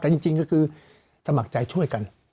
แต่จริงก็คือสมัครใจช่วยกัน